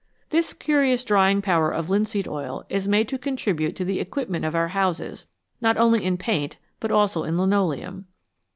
This curious drying power of linseed oil is made to contribute to the equipment of our houses, not only in paint, but also in linoleum.